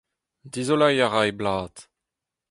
Dizoleiñ a ra e blad.